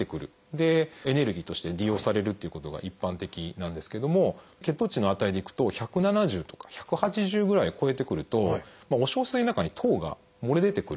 でエネルギーとして利用されるっていうことが一般的なんですけども血糖値の値でいくと１７０とか１８０ぐらいを超えてくるとお小水の中に糖が漏れ出てくる。